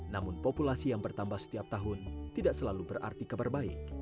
namun populasi yang bertambah setiap tahun tidak selalu berarti kabar baik